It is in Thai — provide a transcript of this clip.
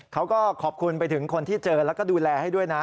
เขาก็ขอบคุณไปถึงคนที่เจอแล้วก็ดูแลให้ด้วยนะ